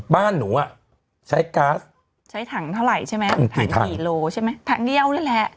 บ้านหนูอ่ะใช้ก๊าซใช้ถังเท่าไหร่ใช่ไหมหรือถังกี่โลใช่ไหมถังเดียวนั่นแหละ